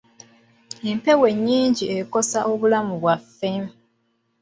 Empewo enyingi ekosa obulamu bwaffe.